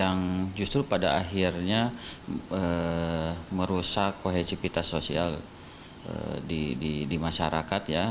yang justru pada akhirnya merusak kohesivitas sosial di masyarakat ya